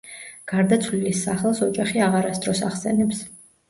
გარდაცვლილის სახელს ოჯახი აღარასდროს ახსენებს.